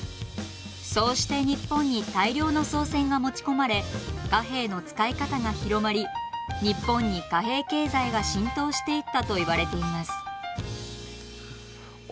そうして日本に大量の宋銭が持ち込まれ貨幣の使い方が広まり日本に貨幣経済が浸透していったといわれています。